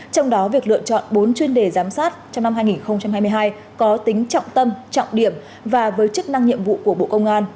trong đó việc lựa chọn bốn chuyên đề giám sát trong năm hai nghìn hai mươi hai có tính trọng tâm trọng điểm và với chức năng nhiệm vụ của bộ công an